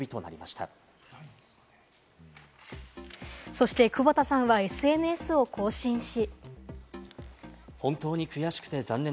そして窪田さんはＳＮＳを更新し。